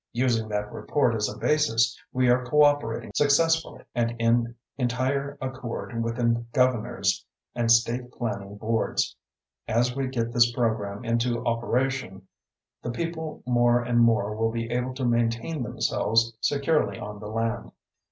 Using that report as a basis we are cooperating successfully and in entire accord with the governors and state planning boards. As we get this program into operation the people more and more will be able to maintain themselves securely on the land.